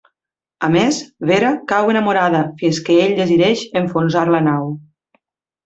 A més, Vera cau enamorada, fins que ell decideix enfonsar la nau.